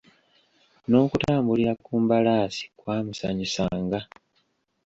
N'okutambulira ku mbalaasi kwamusanyusanga.